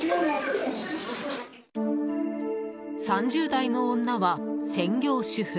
３０代の女は専業主婦。